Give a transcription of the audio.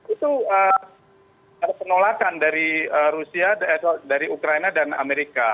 itu ada penolakan dari rusia dari ukraina dan amerika